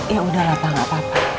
ya udahlah pak gak apa apa